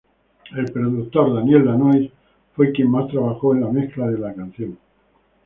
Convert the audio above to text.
El productor Daniel Lanois fue quien más trabajó en la mezcla de la canción.